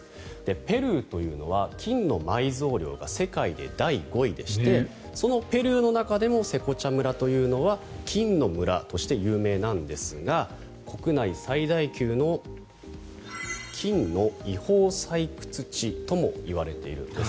ペルーというのは金の埋蔵量が世界で第５位でしてそのペルーの中でもセコチャ村というのは金の村として有名なんですが国内最大級の金の違法採掘地ともいわれているんです。